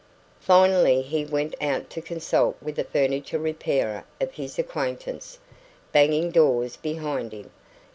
Finally he went out to consult with a furniture repairer of his acquaintance, banging doors behind him.